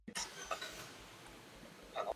Phelippes would decode and make a copy of the letter.